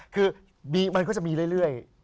คือมันก็จะมีเรื่อย